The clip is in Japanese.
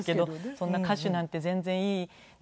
そんな歌手なんて全然いいねえ。